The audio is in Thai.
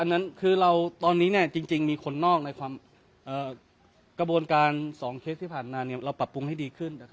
นั้นคือตอนนี้จริงมีคนนอกในกระบวนการ๒เคสที่ผ่านมาเราปรับปรุงให้ดีขึ้น